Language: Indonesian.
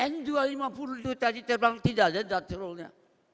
n dua ratus lima puluh itu tadi terbang tidak ada dutch roll nya